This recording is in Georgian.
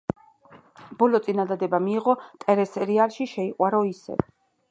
ბოლო წინადადება მიიღო ტელესერიალში „შეიყვარო ისევ“.